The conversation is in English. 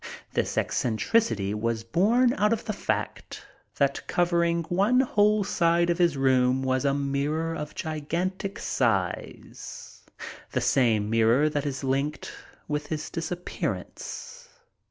This eccentricity was borne out by the fact that covering one whole side of his room was a mirror of gigantic size—the same mirror that is linked with his disappearance.